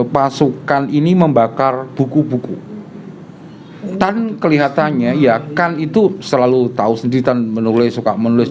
pasukan ini membakar buku buku tan kelihatannya ya kan itu selalu tahu sendirian menulis suka menulis